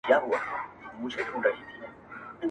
خپلي سايې ته مي تکيه ده او څه ستا ياد دی~